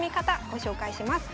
ご紹介します。